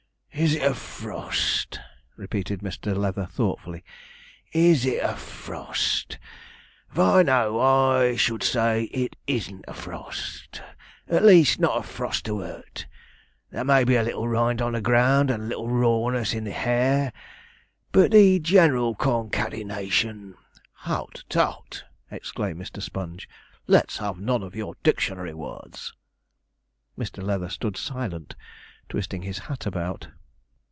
'Is it a frost?' repeated Mr. Leather thoughtfully; 'is it a frost? Vy, no; I should say it isn't a frost at least, not a frost to 'urt; there may be a little rind on the ground and a little rawness in the hair, but the general concatenation ' 'Hout, tout!' exclaimed Mr. Sponge, 'let's have none of your dictionary words.' Mr. Leather stood silent, twisting his hat about.